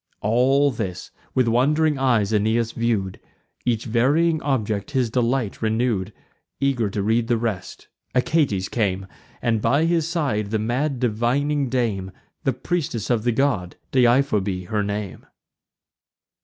All this with wond'ring eyes Aeneas view'd; Each varying object his delight renew'd: Eager to read the rest, Achates came, And by his side the mad divining dame, The priestess of the god, Deiphobe her name.